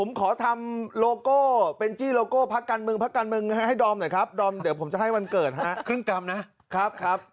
เธอขอทำเป็นซีโลโก้พักการเมืองให้ดรมหน่อยครับดรมเดี๋ยวผมจะให้วันเกิดครับ